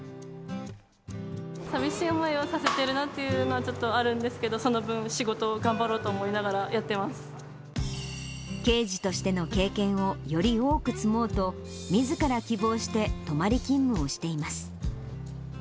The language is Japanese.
さみしい思いをさせているなっていうのは、ちょっとあるんですけど、その分、仕事を頑張ろう刑事としての経験をより多く積もうと、みずから希望して泊まり勤務をしています。